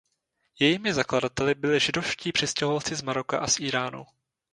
Jejími zakladateli byli židovští přistěhovalci z Maroka a z Íránu.